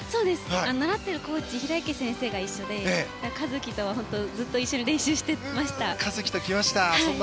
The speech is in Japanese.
習っているコーチ平池先生が一緒で一希とはずっと一緒に練習してました。